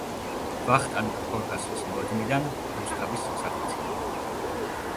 ვახტანგ გორგასლის მოედნიდან რუსთავის გზატკეცილამდე.